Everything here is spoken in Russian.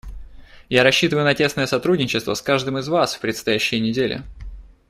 Я рассчитываю на тесное сотрудничество с каждым из вас в предстоящие недели.